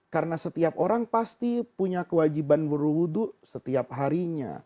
karena setiap orang pasti punya kewajiban wudhu setiap harinya